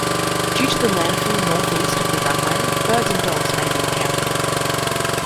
Due to the landfill northeast of the runway birds and dogs may be encountered.